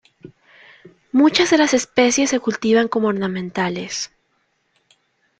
Muchas de las especies se cultivan como ornamentales.